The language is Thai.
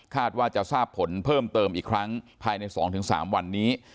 ว่าจะทราบผลเพิ่มเติมอีกครั้งภายใน๒๓วันนี้